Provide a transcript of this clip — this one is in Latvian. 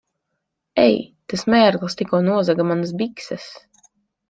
Ei! Tas mērglis tikko nozaga manas bikses!